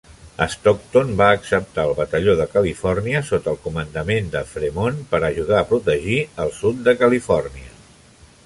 Stockton va acceptar el batalló de Califòrnia sota el comandament de Fremont per ajudar a protegir el sud de Califòrnia.